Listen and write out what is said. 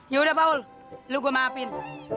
yaudah paul lu gua maafin